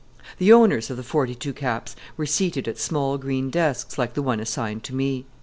The owners of the forty two caps were seated at small green desks like the one assigned to me.